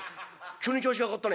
急に調子が上がったね。